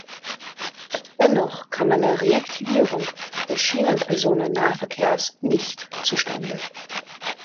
Dennoch kam eine Reaktivierung des Schienenpersonennahverkehrs nicht zu Stande.